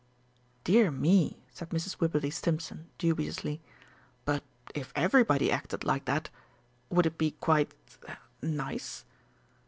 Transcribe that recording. "Dear me!" said Mrs. Wibberley Stimpson dubiously. "But, if everybody acted like that, would it be quite er nice?"